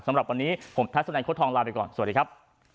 สำหรับวันนี้ผมทัศนัยโค้ทองลาไปก่อนสวัสดีครับ